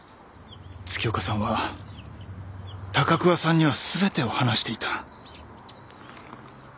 月岡さんは高桑さんには全てを話していた。